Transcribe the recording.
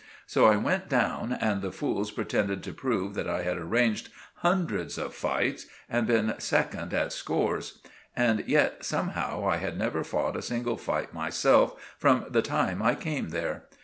So I went down, and the fools pretended to prove that I had arranged hundreds of fights and been second at scores. And yet, somehow, I had never fought a single fight myself from the time I came there.